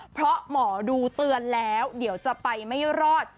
เพราะหมอดูเตือนแล้วเดี๋ยวจะไปไม่รอด